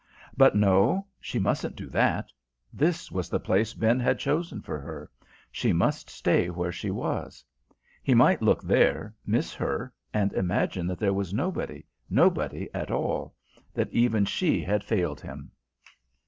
But no; she mustn't do that: this was the place Ben had chosen for her; she must stay where she was. He might look there, miss her, and imagine that there was nobody, nobody at all; that even she had failed him.